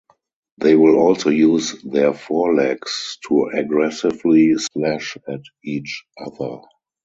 They will also use their forelegs to aggressively slash at each other.